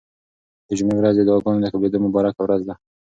د جمعې ورځ د دعاګانو د قبلېدو مبارکه ورځ ده.